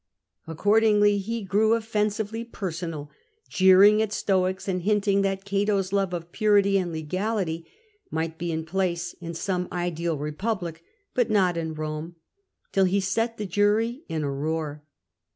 Accordingly he grew offensively personal, jeering at Stoics, and hinting that Cato's love of purity and legality might be in place in some ideal republic, but not in Eome, till he set the jury in a roar.